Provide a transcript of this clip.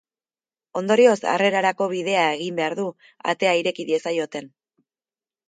Ondorioz, harrerarako bidea egin behar du, atea ireki diezaioten.